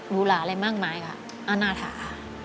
ูหลาอะไรมากมายค่ะอาณาถา